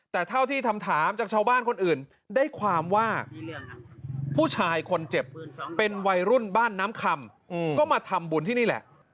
แต่เท่าที่คำถามจากชาวบ้านคนอื่นได้ความว่าผู้ชายคนเจ็บเป็นวัยรุ่นบ้านน้ำคำก็มาทำบุญที่นี่แหละ